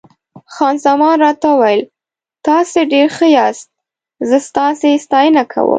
خان زمان راته وویل: تاسي ډېر ښه یاست، زه ستاسي ستاینه کوم.